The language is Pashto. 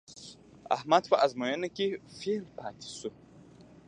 احمد په ازموینه کې فېل پاتې شو.